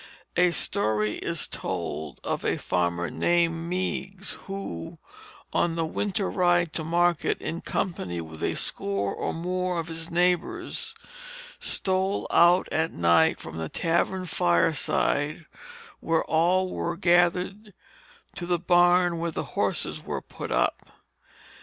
A story is told of a farmer named Meigs, who, on the winter ride to market in company with a score or more of his neighbors, stole out at night from the tavern fireside where all were gathered to the barn where the horses were put up.